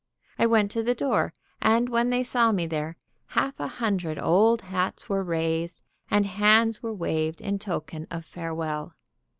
I went to the door, and when they saw me there, half a hundred old hats were raised and hands were waved in token of farewell.